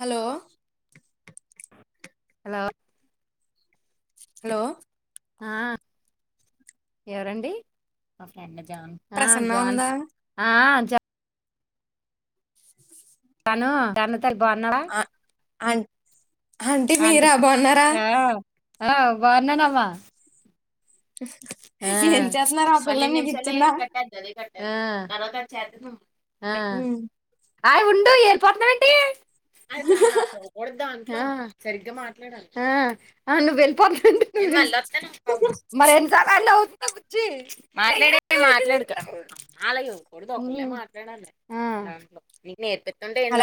Hello hello hello ఆ ఎవరండి మా ఫ్రెండ్ జన్ ఆ ప్రసన్న జాన్ ఉందా ఆఆ ను జాను తలీ బాగున్నావా అ అంటీ మీర ఆంటీ బాగున్నారా ఆ ఆ బావునానమా ఆ ఏం చేస్తున్నారు ఆ పిల్ల పన్నెండు మీకు నిమిషాల ఏ ఇచ్చిందా కట్టా అది ఆ [inaudible] అ ఉమ్ అయ్ ఉండు అలిపోతునవు ఏటి ఆ సరిగ్గా మాట్లాడాలి ఆ ఆ నువ్వు వెళ్ళిపోతుం యు మలి ఓతను మార్ అతుర్ మాట్ట్ ఆ బుజ్జి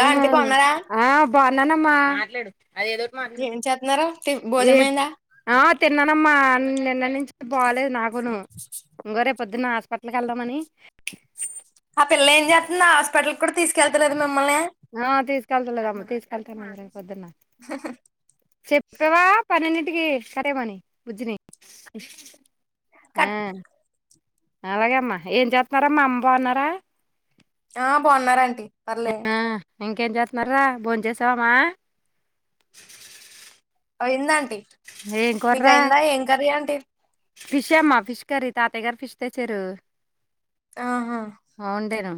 ఆ ఆంటీ బాగున్నారా ఆహా బాగున్నానమ్మా మాట్లాడు అది ఏదోటి మాట్లాడు ఏం చేతన్నారో ఏ భోజనంఅయిందా ఆ తిన్నానమ్మా నిన్న నుంచి బాలేదు నాకును ఇంగో రే పొద్దున్న హాస్పిట్ల్కి వెళ్దామని ఆ పిల్ల ఏం చేస్థాంది ఆస్పిటల్కి కూడా తీసుకెళ్తలేదు మీమ్ నా తీస్ కేల్తలేదమ్మ తీస్ కల్తమన్లే చెప్పవా పన్నెండి కరమని వచ్చినయి ఆ కట్ అలాగేమ్మా ఏం చేస్తన్నారామ్మ అమ్మ బా వున్నారా ఆ బావున్నారండి ఆ ఇంకేం చేస్తున్నారా భోన్ చేసావామా అయిందా అంటీ మీక్ అయిందా ఏం కరీ అంటీ ఫిష్ అమ్మా ఫిష్ కర్రీ తాతయ్య గారు ఫిష్ తెచ్చారు ఆహా అవుండేనా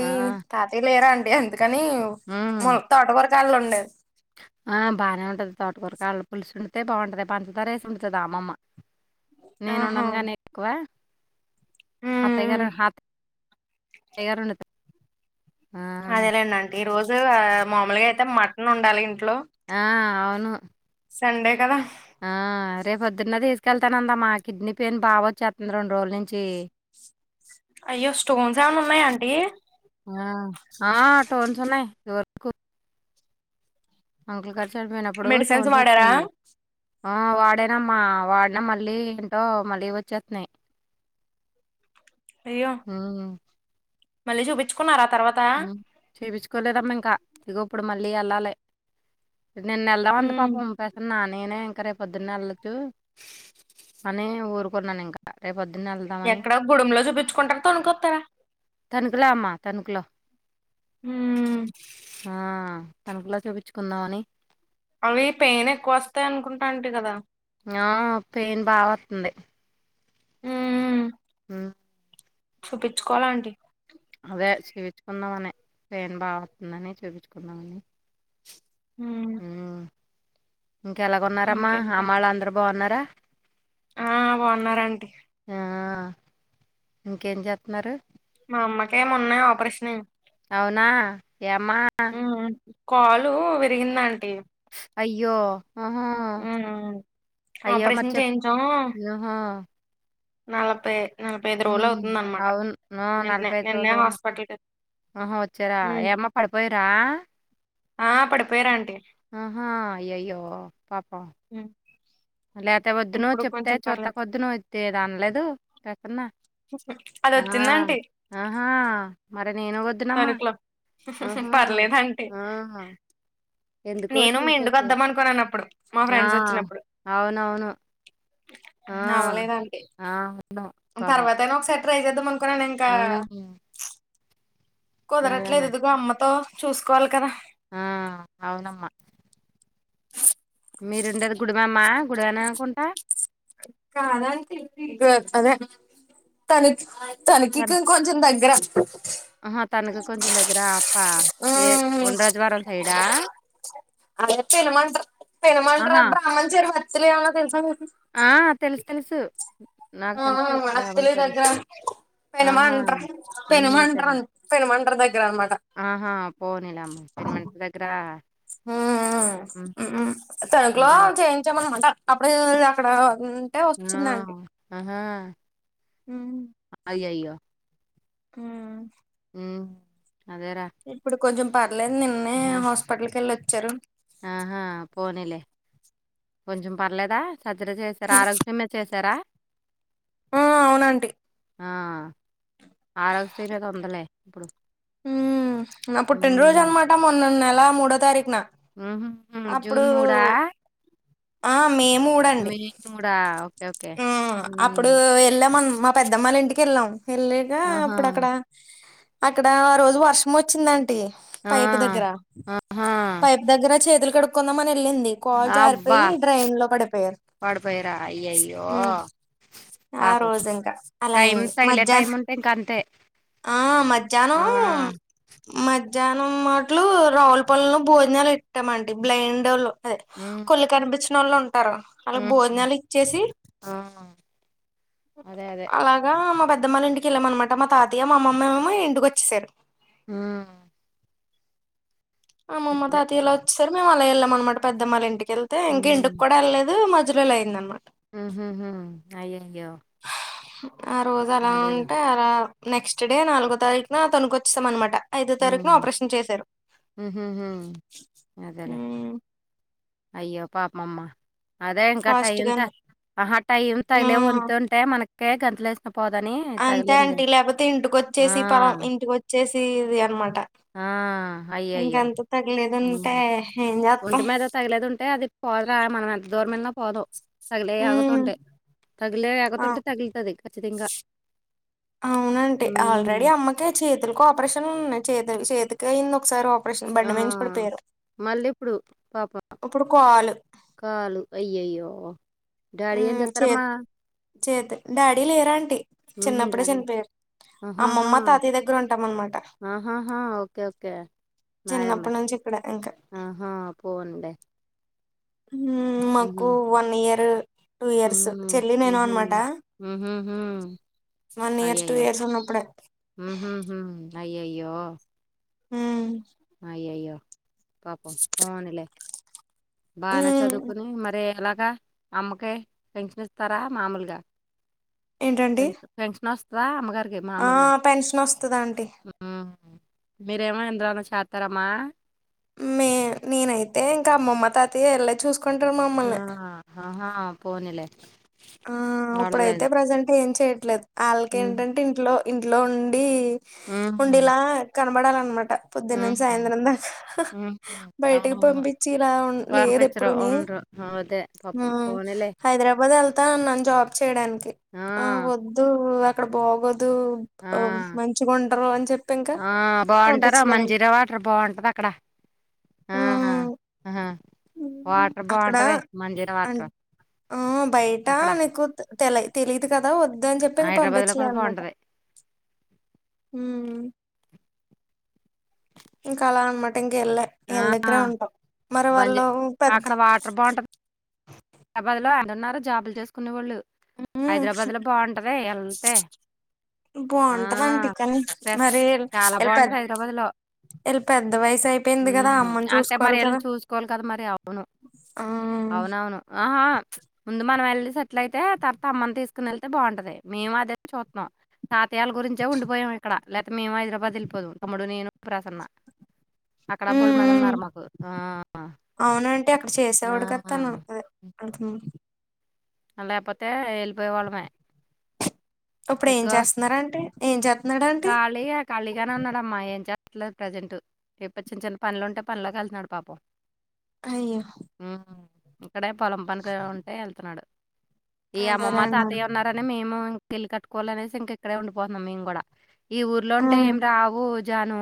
ఆ, తాతయ్యా లేరా అండి అందుకని ఉమ్. మొల్ తోట కాళ్ళు వండను ఆ బానే ఉంటది తోటకొరక వాళ్ళు పులుసు ఉంటె బాగుంటది పంచదారేసి వడుతుంది అమ్మమ్మ నేను ఆహా ఉండను గానీ ఎక్కువ అత్తయ్య ఉమ్ గారూ హాప్ తాయారు అదేలేండి ఆంటీ ఈ రోజు ఆ మామూలుగా అయితే మటన్ ఉండాలి ఇంట్లో ఆ అవును సండే కదా ఆ రేపు పొద్దునే తీసుకెళ్తానందా మా కిడ్నీ పెయిన్ బావొచేస్తుంది రెండు రోజుల నుంచి అయ్యో స్టోన్స్ ఏమన్నా ఉన్నాయాంటీ ఆ, ఆ టోన్స్ ఉన్నాయి ఎవరుకు అంకుల్ గారు చనిపోయినప్పుడు మెడిసిన్స్ టోన్స్ వాడారా వచ్చినాయి ఆ వాడనమ్మా వాడినా మళ్ళీ ఏంటో మళ్ళీ వచ్చేస్తున్నాయి అయ్యో ఉమ్ మళ్ళీ చూపించుకున్నరా ఉమ్ చెప్పించుకోలేదమ్మ ఇంకా ఇగ ఇప్పుడు మళ్ళీ వెళ్ళాలి నినేలదం అనింది ఉమ్ పాపం ప్రసన్న నేనే ఇంకా రేపు పొద్దున వెళ్లొచ్చు అని ఊరుకున్నాను ఇంకా రేప్ ఎక్కడ గుడంలో చూపించుకుంటార తొనుకొస్తారా తనుకలా అమ్మ తనుకులా ఉమ్ ఆ తణకులా చూపించుకుందామని అవి పెయిన్ ఎక్కువ వస్తాయి అనుకుంటా ఆంటీ కదా ఆ పెయిన్ బా వస్తుంది ఉమ్ ఉమ్ చూపించుకోవాల ఆంటీ అదే చూపించుకుందాం అనేే పెయిన్ బా వస్తుందని చూపించుకుందామని ఉమ్ ఇంకెలాగ ఉన్నారమ్మా అమ్మా వాళ్ళు అందరు బావున్నారా ఉమ్ బావున్నారాంటీ ఆ ఇంకేం చేస్తానరు మా అమ్మకే మొన్నే ఆపరేషన్ అయింది అవునా ఏమ్మా ఉమ్ కాలు విరిగిందాంటీ అయ్యో ఆహా ఉమ్ అయ్యో మరి ఆపరేషన్ చెప్ చేయించాం ఆహా నలభై నలభై ఐదు రోజులు హ్మ్. అవుతుందనమాట అవును. ఆ! నిన్నే నిన్నే రోజులు ఉన్న హాస్పిటల్ ఆహా వచ్చార ఏమ్మా పడిపోయారా ఆ పడిపోయారు ఆంటీ ఆహా అయ్యయ్యో పాపం ఉమ్. లేతే వద్దును ఇప్పుడు చెప్తే కొంచెం చూస్తక పర్లేదు వద్దును ఇది అనలేదు కాకున్నా అది ఆ వచ్చిందంటీ ఆహా మ నేను వద్దునమ్మా తణుకులో ఆహా పర్లేదు ఆంటీ ఆ ఎందుకో నేను మీ ఇంటికి చూసొచ్చా వద్దాం అనుకున్నాను అప్పుడు మా ఆ ఫ్రెండ్స్ అవునవును ఆ! అవ్వలేదానికి ఆ! అవును. పాపం. తర్వాత అయినా ఒకసారి ట్రై చేద్దాం అనుకున్నాను ఇంకా హ్మ్. అదేమో. కుదరట్లేదు ఇదుగో అమ్మతో చూసుకోవాలి కదా ఆ అవునమ్మా మీరుండేది గుడివమ్మ గుడివని అనుకుంటా గా అదే తని తనకికీ కొంచెం దగ్గర ఆ తనకు కొంచెం దగ్గర అప్పా ఏ ఉమ్. ఒండ్రాజవారం సైడా అదే పెనుమంట పెనుమంట్ర ఆహా! బ్రాహ్మణ చెరువు అత్తిలేమన్నా తెలుసా మీకు ఆ తెలుసు తెలుసు నాకు తెలుసు బ్రాహ్మణ చె పెనుమంటర్ పెనుమంటర్ పెనుమంటర్ దగ్గర అన్నమాట ఆహా పోనీలా అమ్మ పెన్మంటర్ దగ్గర హ్మ్. ఉమ్ తనకులో అదేలే. చేయించామన్న మంట అప్పుడే అక్కడ ఉంటే ఆ! వచ్చిందండి [inaudible] ఉమ్ అయ్యయ్యో ఆ ఉమ్ అదేరా ఇప్పుడు కొంచెం పర్లేదు నిన్నే ఆహా! హాస్పిటల్ కెళ్ళొచ్చారు ఆహా పోనీలే కొంచెం పర్లేదా సర్జరీ చేసారా ఆరోగ్యం మీద చేశారా ఆ అవునాంటి ఆ ఆరోగ్యశ్రీ నేగా ఉందిలే ఇప్పుడు ఉమ్ నా పుట్టిన రోజు హ్మ్. అన్నమాట మొన్న నెల మూడో తారీఖున ఉమ్ హూ అప్పుడు జూన్ మూడా ఆ మే మూడండి మే మూడా ఆ అప్పుడు యెళ్ళామ్ మా పెద్దమ్మ ఇంటికి యెళ్ళాం యెళ్ళాకా ఆహా! అప్పుడు అక్కడ అక్కడ ఆ రోజు వర్షం వచ్చిందం ఆ! పైపు దగ్గర ఆహా! పైపు దగ్గర చేతులు కడుకుందామని యెళ్ళింది కాల్ అబ్బా! జారిపోయి డ్రైన్ లో పడిపోయారు పడిపోయారా? అయ్యయ్యో! ఉమ్ ఆ పాపం. రోజు ఇంకా అలా టైం అయింది తగిలే మధ్యాహ్నం టైముంటే ఇంకంతే. ఆ ఆ! మధ్యాహ్నం మధ్యా మనం మాట్లు రావుల పొలంలో భోజనాలు ఎట్టాం ఆంటీ బ్లైండోల్లు అదే హ్మ్. కొళ్ళు కనిపిచ్చ వాళ్ళు ఉంటారు అలా హ్మ్. భోజనాలు చేసి ఆ! అదే. అదే. అలాగా మా పెద్దమ్మోల ఇంటికి యెళ్ళామ్ అన్నమాట మా తాతయ్య మా అమ్మమ్మ ఏమో ఇంటికి వచ్చేసారు ఉమ్ అమ్మమ్మ తాత ఇలా వచ్చేసారు మేము అలా వెళ్ళామనమాట పెద్దమ్మళ్ళ ఇంటికి వెళ్తే ఇంకా ఇంటికి కూడాళ్లేదు. మ జుడ్రలు అయిందన్ మాట హుహు హుమ్ అయ్యో ఆ రోజు అలా అదేలే. ఉంటే అలా నెక్స్ట్ డే నాలుగో తారీఖున తణుకుచేసాం అనమాట ఐదో తారీఖున హ్మ్. ఆపరేషన్ చేశారు హుహుహు. అదేలే. అయ్యో పాపం మమ్మ అదే ఇంకా టైం ఫాస్ట్ ఉంత గానే ఆహా టైం తగిలే ఉమ్, వంతు ఉంటే మనకే గంతులేస్ అంతే అంటీ లేకపోతే ఆ! ఇంటికొచ్చేసి పలం ఇంటికోచ్చేసి ఇది అనమాట. ఆ అయయ్యో ఇంకంత హ్మ్ తగలేదంటే ఏం ఒంటి చేస్తాం మీద తగిలేదు ఉంటే అది పోదురా మనం ఎంత దూరమేలిన పోదు తగిలే యోగత ఉమ్, ఉంటే తగిలే యోగత ఆ ఉంటే తగిలతది ఖచ్చితంగా అవునండి ఆల్రెడీ హ్మ్. అమ్మకి చేతులకు ఆపరేషన్ ఉన్నాయి. చేతుల చేతికి అయింది ఒకసారి ఆప ఆపరేశన్ ఆ! బండిమించి పడిపోయింది మళ్ళీ ఇప్పుడు పాపం ఇప్పుడు కాలు కాలు అయ్యయ్యో డాడీ ఏం హ్మ్ చేత్తరమ్మ చేత్ చేతు డాడీ లేరు అంటి హుహు. చిన్నప్పుడే డ్యాడీ చనిపోయారు అమ్మ ఆహాహా! ఆహాహా ఓకే ఓకే నాయమ్మ చిన్నప్పటి నుంచి ఇక్కడ ఇంకా ఆహా పొండ్లే ఉమ్ మాకు వన్ ఇయరూ ఉమ్ ఉమ్ ఉహుహు వన్ ఇయర్స్ టూ అయ్యయ్యో ఇయర్స్ ఉన్నప్పుడే ఉహుహుమ్ అయ్య అయ్యో హ్మ్ అయ్యయ్యో పాపం పోనలే బానే హ్మ్ చదువుకుని మరే ఎలాగా అమ్మకే పింఛనిస్తారా మాములుగా ఏంటండి పెన్ష్ ఫెన్షన్ వస్తాద అమ్మ గారికి ఆ పెన్షన్ వస్తుదంటీ హ్మ్. మీరేమో ఇంద్రాన చేతారమ్మా మే నేనైతే ఇంకా అమ్మమ్మ తాతయ్య ఇల్లే చూసుకుంటారు ఆ! మమ్మల్ని ఆహా పోనీలే ఆ ఇప్పుడైతే గొడవలేదు. ప్రజెంట్ ఏం చెయట్లేదు ఆళ్ళకి హ్మ్. ఏంటంటే ఇంట్లో ఇంట్లో ఉండి ఈ హ్మ్. హ్మ్. ఉండిలా కనబడాల అనమాట పొద్దున్నంచి సాయంత్రం దాకా హుహు. బయటికి అవునవును. పంపించి ఇలా ఊ లేదు పంపించరు. ఎప్పుడుని ఉండరు. అదే హ పాపం. పోనీలే. హైదరాబాద్ ఏల్తా న్నా జాబ్ చేయడానికి ఆ వద్దు అక్కడ బాగోదు దు ఆ! మంచగుండరు అని చెప్ప ఆ బాగుంటార మంజీరా వాటర్ బాగుంటది అక్కడ ఆ మ్మ్ వాటర్ అక్కడ బాగుంటది మంజీరా అన్ వాటర్ ఆ బయట అక్కడ నీకు తెలి తెలిదు కదా వద్దు అని చెప్పి ఇంక హైదరాబాద్ లో పంపించలే కూడా అనమాట బాగుంటది హ్మ్ ఇంకా అలా అన్నమాట ఇంక ఏళ్ళ ఆ ఈళ్ళ దగ్గరే ఉంటాం మరి బంజీ వాళ్ళు పెద్ద అక్కడ వాటర్ బాగుంటది హైదరాబాద్ లో మంది ఉన్నారు జాబులు చేసుకునే వాళ్ళు హ్మ్ హైదరాబాద్ లో బాగుంటది ఎలతే బాగుంటదంటి కాని మరి చాలా ఇలా పెద్ద బాగుంటది హైదరాబాద్ లో ఇల్ పెద్ద వయసు అయిపోయింది కదా ఉమ్, అమ్మను అంటే మరి చూసుకోవాలి వెళ్ళి కదా చూసుకోవాలి కదా మరి అవును ఆ అవునవును. ఆహా ముందు మనం వెళ్తే సెటిల్ అయితే తర్వాత అమ్మని తీసుకుని వెళ్తే బాగుంటది మేము అదే చుత్తన్నాం. కా వీల గురించే ఉండిపోయాం ఇక్కడ లేకపోతే మేము హైదరాబాద్ వెళ్ళిపోదు తమ్ముడు నేను ప్రసన్న అక్కడ బులిమన హ్మ్ ఉన్నారు మాకు ఆ హా అంటే అక్కడ చేసేవాడు కద తను ఉంటది ఉ అ లేపోతే వెళ్ళిపోయే వాళ్ళమే ఇప్పుడు ఏం ఇగో చేస్తున్నారంటే ఏం చేస్తున్నాడంటి ఖాళీగా ఖాళీగానే ఉన్నాడమ్మా ఏం చె ఇలా ప్రజెంట్ ఎప్పు చిన్న చిన్న పనులు ఉంటే పనులోకి వెళ్తున్నాడు పాపం అయ్యో హ్మ్. ఇక్కడే పొలం పనికి ఉంటే వెళ్తున్నాడు ఈ అమ్మమ్మ అదేలేండి తాతయ్య ఆంటీ. ఉన్నారని మేము ఇంకెలి క కోలనేసి ఇంక ఇక్కడే ఉండిపోందాం మేము కూడా ఈ ఊర్లో ఉంటే హ్మ్ ఏం రావు జాను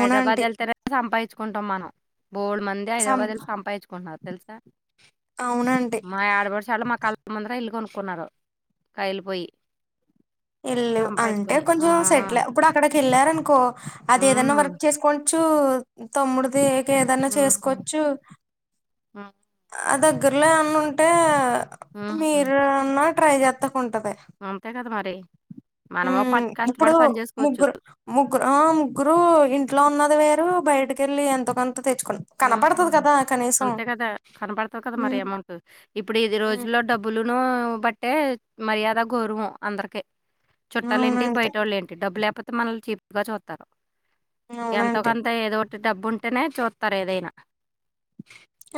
హైదరాబాద్ వెళ్తేనే సంపాదించుకుంటాం మనం బోడు మంది సం హైదరాబాద్ వెళ్లి సంపాదించుకుంటున్నారు తెలుసా అవునంటీ మా ఆడ పడచాలు మా కళ్ళ ముందరే ఇల్లు కొను కున్నారు కాయలి పోయి ఎల్లు అంటే ఆ! కొంచెం ఆ! సెటిల్ ఇప్పుడు అక్కడికి వెళ్ళారు అనుకో అది ఏదన్నా హ్మ్. వర్క్ చేసుకొచ్చు డు తమ్ముడుది ఏదన్నా హ్మ్. చేసుకోవచ్చు హ్మ్. అద దగ్గరలో ఏమన్నుంటే హ్మ్. మీరన్న ట్రై చెత్తం అంతే కదా మరి ఊ మనము పట్ ఇప్పుడు కష్టపడి పని జేసుకోవచ్చు. ముగ్గురు ము ఆ ముగ్గురు ఇంట్లో ఉన్నది వేరు బయటకెళ్ళి ఎంతో కొన్ కనపడుతది హ్మ్. కదా చెప్ అంతే కదా కనపడతది కదా మరి అమౌంట్ ఇప్పుడు ఇది ఉమ్, రోజుల్లో డబ్బులును బట్టే మర్యాద గౌరవం అందరికి చుట్టాలేంటి అవునంటే బయటోళ్ళు ఏంటి డబ్బు లేకపోతే మనల్ని చీప్ గా చూత్తరు అవునంటే ఎంతోకంత ఏదోటి డబ్బు ఉంటేనే చూత్తరు ఏదైనా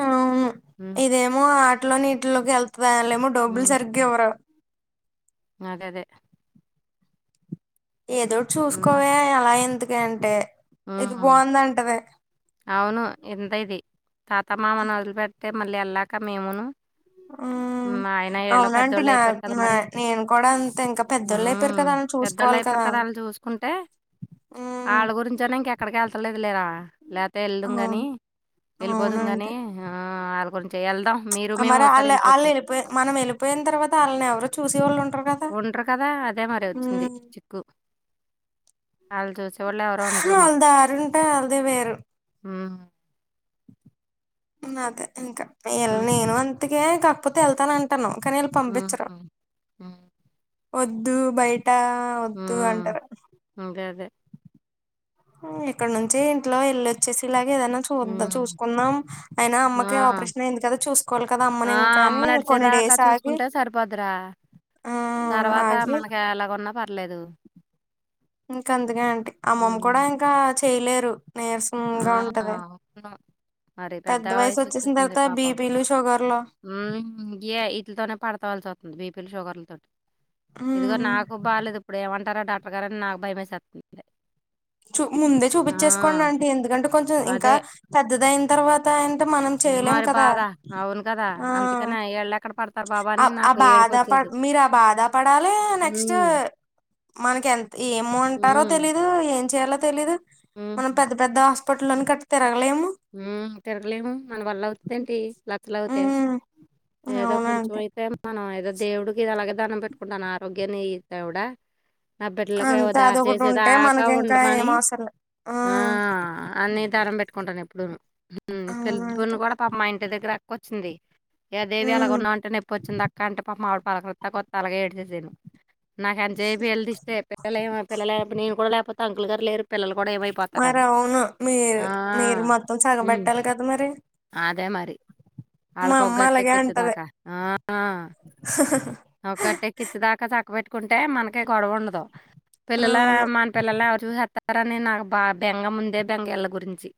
అవును హ్మ్. ఇదేమో ఆటిలోనిటిలోకి వెళ్ వాళ్లేమో డబ్బులు సరిగ్గా ఇవ్వరు అదే అదే ఏదోటి హ్మ్. చూసుకోవే ఎలా ఎందుకి అంటే ఇది హ్మ్. బావుందంటది అవును ఇంత ఇది తాత మామని మొదలుపెడితే మళ్ళీ వెళ్ళాక మేమును ఊ మా ఆయన ఈళ్ళు అవునంటి నా పెద్దోళ్ళయిపోయారు కదా నా మరి. నేను కూడా అంతే ఇంకా పెద్దోళ్ళే పెడతారని చూసు పెళ్ళి అయిపోతల వాళ్ళని చూసుకుంటే ఉమ్ ఆళ్ళ గురించిన ఇంకా ఎక్కడికి వెళ్తలేదు లేరా లేపోతే అవును వెళదుంగని వెళ్ళిపోదుం గాని అవునంటీ ఆ వాళ్ళ గురి వెళ్దాం ఆ మరి ఆళ్ళ ఆళ్ళు వెళ్ళపోయి మనం వెళ్ళపోయిన తర్వాత ఆళ్ళని ఎవరు చూసే వాళ్ళు ఉండరు కదా ఉండరు కదా అదే మరి వచ్చింది ఉమ్ చిక్కు ఆళ్ళు చూసి వాల్ది ఆడుంటే ఆళ్ళదే వేరు హ్మ్. అదే ఇంకా హ్మ్. నేను అంతకే కాకపోతే వెళ్తానంటన్నావు ఉహు వద్దు బయట వద్దు అంటారు హ్మ్. అదే. అదే. ఇక్కడ నుంచి ఇంట్లో ఎల్ళొచ్చేసి ఇలాగే ఏదైనా చూ హ్మ్. చూసుకున్నాం అయినా ఆ! అమ్మకి ఆపరేషన్ అయింది కదా చూసుకోవాలి కదా ఆ! అమ్మని ఇంకా అమ్మ అని కొన్ని నడిచేదాకా డేస్ ఆగి చూసుకుంటే సరిపోద్ది రా ఆ తర్వాత ఆగి మనకి ఎలాగున్న ప లేదు ఇంకా అందుకే అంటి అమ్మమ్మ కూడా ఇంకా చేయలేరు ఆ! నీరసంగా ఉంటది అవును. మరి పెద్ద వయసు వచ్చేసిన వచ్చేస్తుంది తర్వాత పాపం బీపీలు షుగర్లు ఉమ్ ఎఐ వీటిల్ తనే పడతావల్సితుంది బిపీలు షుగర్ల తోటి ఇదిగో హ్మ్ నాకు బాలేదు ఇప్పుడు ఏం అం టారా డాక్టర్ గారని నాకు భయమేసేస్తుంది చూ ముందే ఆ! చూపించేసుకోండి అంటి ఎందుకంటే కొంచెం అదే. ఇంకా పెద్దదయిన తర్వాత అంటే మనం చేయలేం మరి కదా బాధ. అవును కదా! ఆ అందుకనే ఈళ్ళెక్కడ పడతారు బాబు ఆ అని ఆ నాకు బాధ పడ ఏడుపొచ్చేసి మీరు ఆ బాధ పడాలి నెక్స్ట్ హ్మ్. మనకి ఎంత ఏమో అంటారో హ్మ్. తెలీదు ఏం చేయాలో తెలీదు హ్మ్. మనం పెద్ద పెద్ద హాస్పటల్ లోనే కట్టతారు ఉమ్ తిరగలేము మన వల్ల అవుతుంది ఏంటి లచ్చలు అవుతే ఉమ్ ఏదో కొంచెం అవునండి అయితే మనం ఏదో దేవుడికి అలాగే దండం పెట్టుకుంటాను ఆరోగ్యాన్ని ఇ దేవుడా నా బిడ్డలకి ఏవో అంతే దారి అదొకటి చేసే ఉంటే దాకా మనకి ఇంకా ఏం ఉండమని అవసరం లేదు ఆ అన్ని తరం పెట్ పెట్టుకుంటాను ఎప్పుడును ఉమ్ పెళ్లి అవునండి పెన్ను కూడా పాపం మా ఇంటి దగ్గర అక్క వచ్చింది ఏదేవి అలాగ ఉమ్ ఉన్నావు అంటే నొప్పి వచ్చింది అక్క అంటే పాపం ఆమె పాలక రిస్తా కొత్తే అలాగే ఏడ్చసాను నాకు ఎంత సేపు వాళ్ళ డిస్టి అంటే పిల్లలే ఏమ పిల్లలే నే కూడా లేకపోతే అంకులు గారు లేరు పిల్లలు కూడా మరి ఏమైపోతారని అవును మీ ఆ, మీరు మొత్తం ఉమ్, సగబట్టాలి కదా మరి అదే మరి మా ఆళక ఒక అమ్మ గట్ట అలాగే అంటది కతుదాకా ఆ అకట్టేకిిచ్చ దాకా చ పెట్టుకుంటే మనకి గొడవ ఉండదు పిల్లలు అవును మన పిల్లలో ఎవరు చూసినా ఇస్తారని నాకు బా బెంగ ముందే బెంగాళ్ళ గురించి